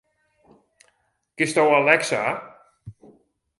Kinsto Alexa?